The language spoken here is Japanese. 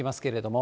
も